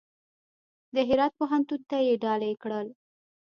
د هرات پوهنتون ته یې ډالۍ کړل.